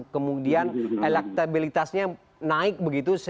kemudian elektabilitasnya naik begitu